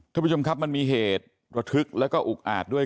ท่านผู้ชมครับมันมีเหตุระทึกแล้วก็อุกอาจด้วย